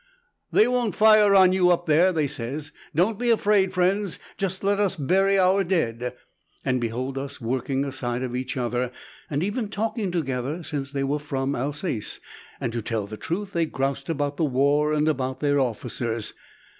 'They won't fire on you, up there,' they says; 'don't be afraid, friends. Just let us bury our dead.' And behold us working aside of each other, and even talking together since they were from Alsace. And to tell the truth, they groused about the war and about their officers.